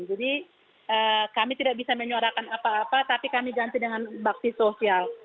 jadi kami tidak bisa menyuarakan apa apa tapi kami ganti dengan bakti sosial